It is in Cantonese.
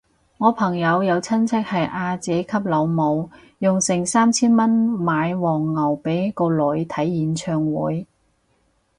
我朋友有親戚係阿姐級老母，用成三千蚊買黃牛俾個女睇演唱會